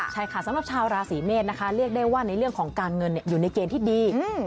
ใช่ค่ะสำหรับชาวราศีเมษนะคะเรียกได้ว่าในเรื่องของการเงินอยู่ในเกณฑ์ที่ดี